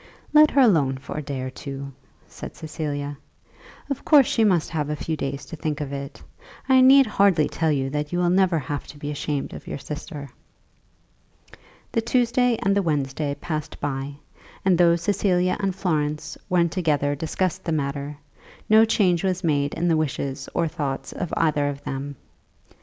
"Let her alone for a day or two," said Cecilia. "Of course she must have a few days to think of it. I need hardly tell you that you will never have to be ashamed of your sister." The Tuesday and the Wednesday passed by, and though Cecilia and Florence when together discussed the matter, no change was made in the wishes or thoughts of either of them.